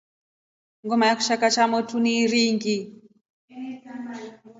Ngoma ya kishakaa cha kwa motu ni iringi.